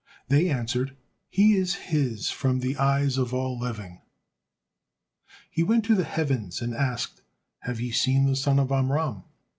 They answered, "He is his from the eyes of all living." He went to the heavens and asked, "Have ye seen the son of Amram?"